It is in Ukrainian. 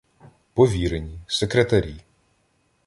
Повірені, секретарі.